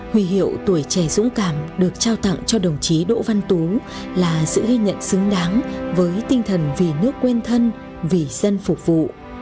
huy hiệu tuổi trẻ dũng cảm được trao tặng cho đồng chí đỗ văn tú là sự ghi nhận xứng đáng với tinh thần vì nước quên thân vì dân phục vụ